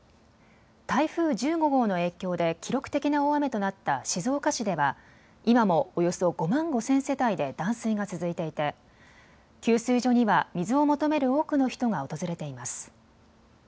台風１５号の影響で記録的な大雨となった静岡市では今もおよそ５万５０００世帯で断水が続いていて給水所には水を求める多くの人が訪れています。